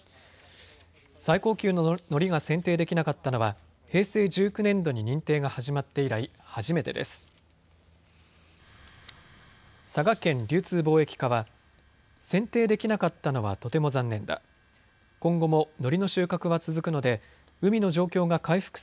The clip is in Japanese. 最高級ののりが選定できなかったのは平成１９年度に認定が始まって以来、初めてです。